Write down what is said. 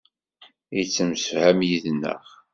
Yettemsefham yid-neɣ.